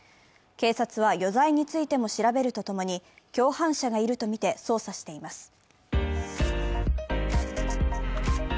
警察は、余罪についても調べるとともに、共犯者がいるとみて、捜査しています。